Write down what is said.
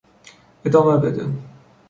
ادامه بده!